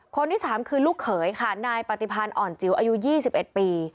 คนที่๓คือลูกเขยค่ะนายปฏิพันธ์อ่อนจิ๋วอายุ๒๑ปี